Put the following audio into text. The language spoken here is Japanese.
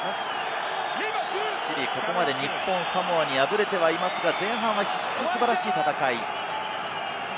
チリ、ここまで日本、サモアに敗れてはいますが、前半は非常に素晴らしい戦い。